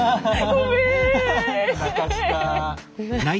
ごめん。